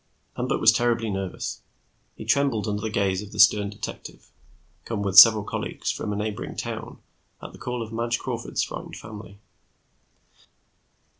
Lambert was terribly nervous; he trembled under the gaze of the stern detective, come with several colleagues from a neighboring town at the call of Madge Crawford's frightened family.